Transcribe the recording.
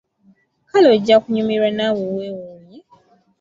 Kale ojja kunyumirwa naawe weewuunye.